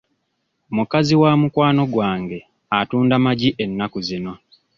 Mukazi wa mukwano gwange atunda magi ennaku zino.